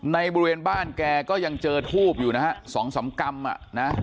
บริเวณบ้านแกก็ยังเจอทูบอยู่นะฮะ๒๓กรัมอ่ะนะ